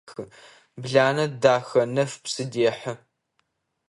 Бланэ Дахэнэф псы дехьы.